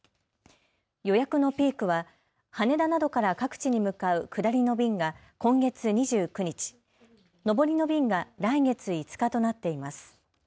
予約のピークは羽田などから各地に向かう下りの便が今月２９日、上りの便が来月５日となっています。